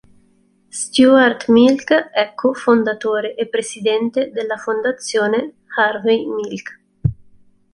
Stuart Milk è co-fondatore e presidente della Fondazione Harvey Milk.